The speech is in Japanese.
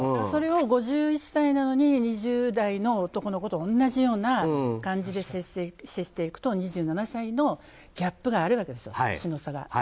それを５１歳なのに２０代の男と同じような感じで接していくと２７歳のギャップがあるわけですよ、年の差が。